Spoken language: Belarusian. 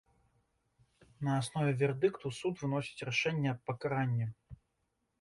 На аснове вердыкту суд выносіць рашэнне аб пакаранні.